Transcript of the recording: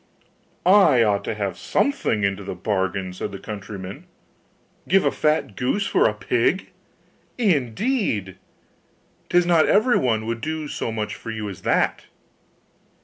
'I ought to have something into the bargain,' said the countryman; 'give a fat goose for a pig, indeed! 'Tis not everyone would do so much for you as that.